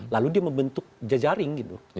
lalu dia membentuk jejaring gitu